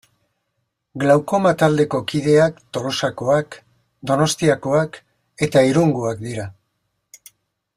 Glaukoma taldeko kideak Tolosakoak, Donostiakoak eta Irungoak dira.